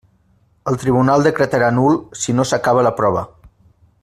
El tribunal decretarà nul si no s'acaba la prova.